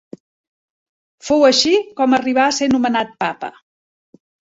Fou així com arribà a ser nomenat papa.